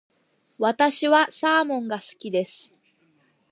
私はサーモンが好きです。